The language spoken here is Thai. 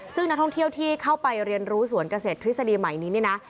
ซึ่งนักท่องเที่ยวที่เข้าไปเรียนรู้สวนเกษตรทฤษฎีใหม่นี้เนี่ยนะ